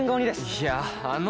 いやあの。